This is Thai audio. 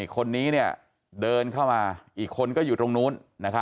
คนนี้เดินเข้ามาอีกคนก็อยู่ตรงนู้น